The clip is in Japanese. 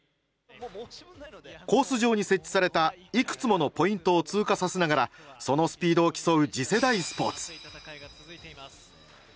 コース上に設置されたいくつものポイントを通過させながらそのスピードを競う次世代スポーツ。